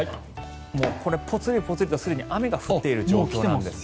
これ、ぽつりぽつりとすでに雨が降っている状況です。